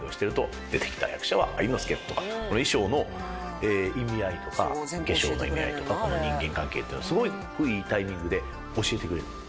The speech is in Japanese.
衣装の意味合いとか化粧の意味合いとか人間関係っていうのをすごくいいタイミングで教えてくれる。